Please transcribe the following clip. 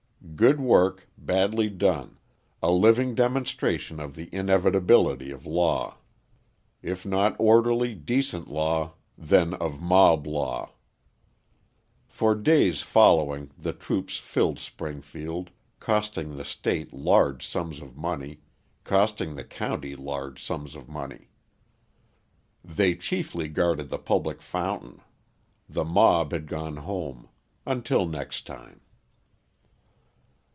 Good work, badly done, a living demonstration of the inevitability of law if not orderly, decent law, then of mob law. For days following the troops filled Springfield, costing the state large sums of money, costing the county large sums of money. They chiefly guarded the public fountain; the mob had gone home until next time.